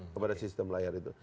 kepada sistem layar itu